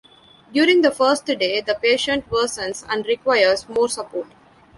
During the first day the patient worsens and requires more support.